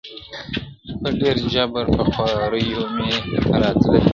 په ډېر جبر په خواریو مي راتله دي!